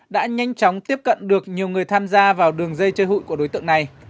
đã nhanh chóng tiếp cận được nhiều người tham gia vào đường dây chơi hụi của đối tượng này